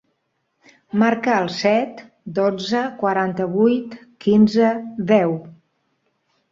Marca el set, dotze, quaranta-vuit, quinze, deu.